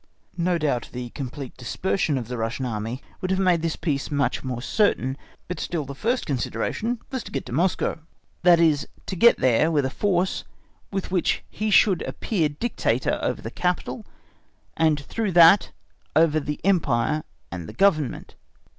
No doubt the complete dispersion of the Russian Army would have made this peace much more certain; but still the first consideration was to get to Moscow, that is, to get there with a force with which he should appear dictator over the capital, and through that over the Empire and the Government.